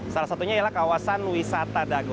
salah satunya ialah kawasan wisata dago